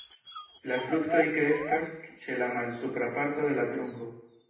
La fruktoj kreskas ĉe la malsupra parto de la trunko.